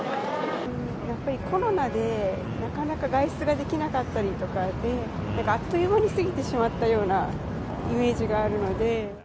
やっぱりコロナで、なかなか外出ができなかったりとかで、なんかあっという間に過ぎてしまったようなイメージがあるので。